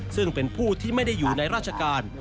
ซึ่งเป็นผู้ที่ไม่ได้อยู่ในราชการ